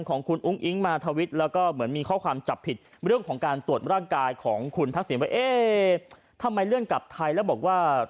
ของการตรวจร่างกายของคุณทักศิลป์ว่าเอ๊ะทำไมเรื่องกลับไทยแล้วบอกว่า